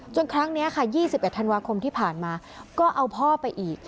ครั้งนี้ค่ะ๒๑ธันวาคมที่ผ่านมาก็เอาพ่อไปอีก